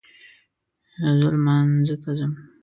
زه لمانځه ته ځم